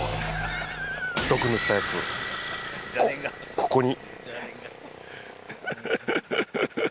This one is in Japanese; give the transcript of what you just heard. ここに。